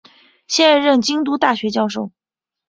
现任京都大学教授。